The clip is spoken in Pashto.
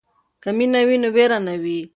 که مینه وي نو وېره نه وي.